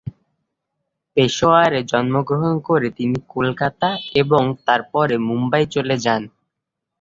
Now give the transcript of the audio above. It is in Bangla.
পেশোয়ারে জন্মগ্রহণ করে তিনি কলকাতা এবং তারপরে মুম্বাই চলে যান।